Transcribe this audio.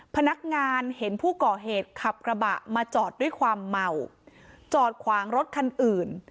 พนักงานเห็นผู้ก่อเหตุขับกระบะมาจอดด้วยความเมาจอดขวางรถคันอื่น